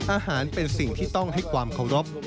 อาหารเป็นสิ่งที่ต้องให้ความเคารพ